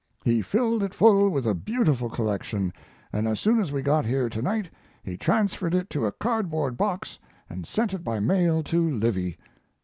He filled it full with a beautiful collection, and as soon as we got here to night he transferred it to a cardboard box and sent it by mail to Livy.